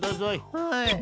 はい。